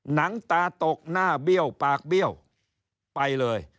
หนังตาตกหน้าเบี้ยวปากเบี้ยวไปเลย